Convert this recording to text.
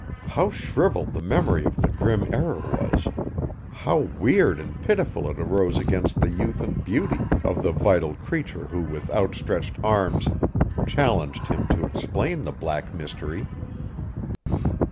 How shrivelled the memory of the grim error was! How weird and pitiful it arose against the youth and beauty of the vital creature who with outstretched arms challenged him to explain the black mystery!